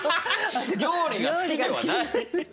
料理が好きではない！